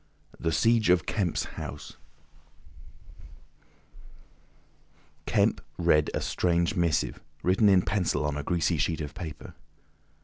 THE SIEGE OF KEMP'S HOUSE Kemp read a strange missive, written in pencil on a greasy sheet of paper.